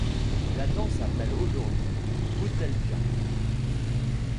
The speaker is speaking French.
Bladan s'appelle aujourd'hui Bouteldja.